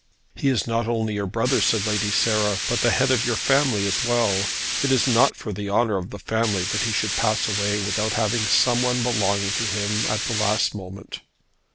"He is not only your brother," said Lady Sarah, "but the head of your family as well. It is not for the honour of the family that he should pass away without having someone belonging to him at the last moment."